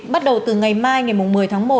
bắt đầu từ ngày mai ngày một mươi tháng một